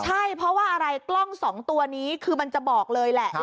ใช่เพราะว่าอะไรกล้อง๒ตัวนี้คือมันจะบอกเลยแหละ